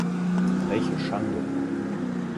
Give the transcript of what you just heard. Welche Schande!